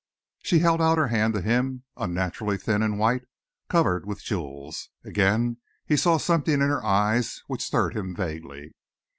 She held out her hand to him, unnaturally thin and white, covered with jewels. Again he saw something in her eyes which stirred him vaguely.